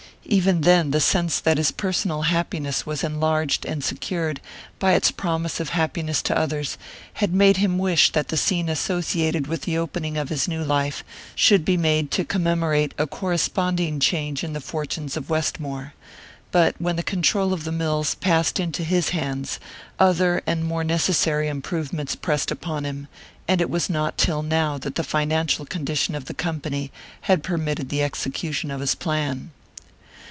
Even then the sense that his personal happiness was enlarged and secured by its promise of happiness to others had made him wish that the scene associated with the opening of his new life should be made to commemorate a corresponding change in the fortunes of Westmore. But when the control of the mills passed into his hands other and more necessary improvements pressed upon him; and it was not till now that the financial condition of the company had permitted the execution of his plan.